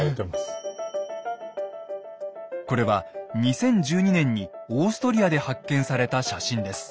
これは２０１２年にオーストリアで発見された写真です。